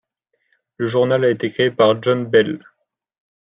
Le journal a été créé par John Bell.